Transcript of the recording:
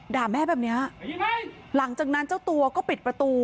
ด่าแม่แบบเนี้ยหลังจากนั้นเจ้าตัวก็ปิดประตู